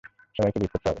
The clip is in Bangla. সবাইকে ব্রিফ করতে হবে।